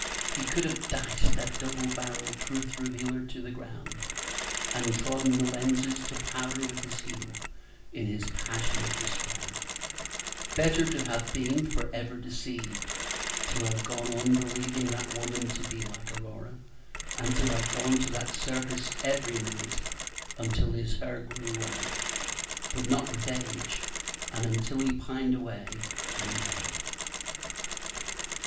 He could have dashed that double barrelled truth revealer to the ground, and trodden the lenses to powder with his heel, in his passion of despair; better to have been for ever deceived, to have gone on believing that woman to be like Aurora, and to have gone to that circus every night until his hair grew white, but not with age, and until he pined away and died.